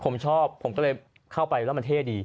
ผมชอบผมก็เลยเข้าไปแล้วมันเท่ดี